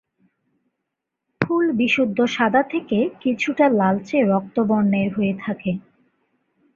ফুল বিশুদ্ধ সাদা থেকে কিছুটা লালচে রক্তবর্ণের হয়ে থাকে।